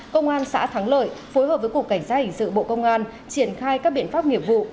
công an xã thắng lợi phối hợp với cục cảnh sát hình sự bộ công an triển khai các biện pháp nghiệp vụ